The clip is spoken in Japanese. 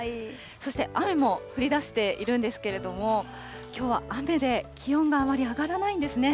そして雨も降りだしているんですけれども、きょうは雨で気温があまり上がらないんですね。